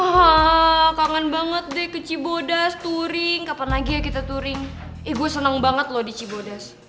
hah kangen banget deh ke cibodas touring kapan lagi ya kita touring eh gue seneng banget loh di cibodas